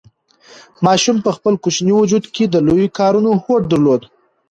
ماشوم په خپل کوچني وجود کې د لویو کارونو هوډ درلود.